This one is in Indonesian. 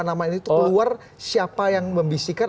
asbabunuzulnya itu nama nama ini itu keluar siapa yang membisikkan